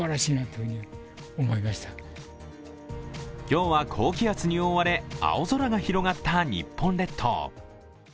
今日は高気圧に覆われ、青空が広がった日本列島。